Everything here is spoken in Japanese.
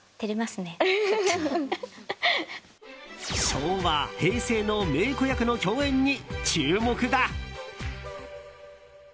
昭和・平成の名子役の共演に注目だ。